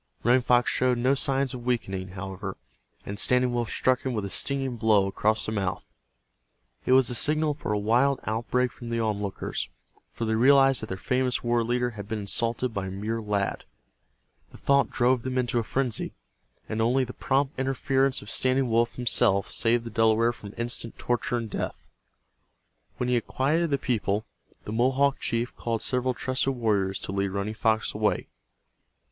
Running Fox showed no signs of weakening, however, and Standing Wolf struck him a stinging blow across the mouth. It was the signal for a wild outbreak from the onlookers, for they realized that their famous war chief had been insulted by a mere lad. The thought drove them into a frenzy, and only the prompt interference of Standing Wolf himself saved the Delaware from instant torture and death. When he had quieted the people, the Mohawk chief called several trusted warriors to lead Running Fox away.